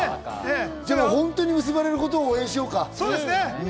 ホントに結ばれることを応援しようか。